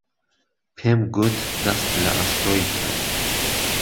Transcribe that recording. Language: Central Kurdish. پێم گوت دهست له ئهستۆی کهم